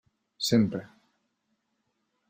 Sempre.